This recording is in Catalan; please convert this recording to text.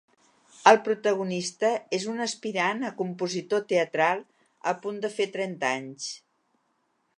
El protagonista és un aspirant a compositor teatral, a punt de fer trenta anys.